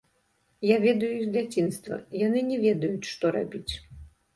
Я ведаю іх з дзяцінства, яны не ведаюць, што рабіць.